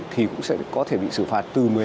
thì cũng sẽ có thể bị xử phạt từ một mươi năm